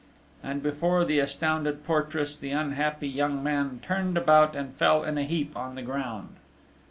And before the astounded portress, the unhappy young man turned about and fell in a heap on the ground.